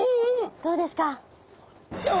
どうですか？